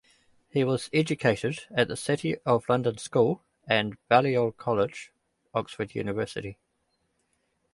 He was educated at the City of London School and Balliol College, Oxford University.